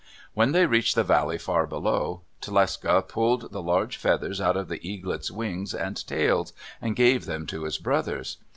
When they reached the valley far below, Tlecsa pulled the large feathers out of the eaglets' wings and tails, and gave them to his brothers.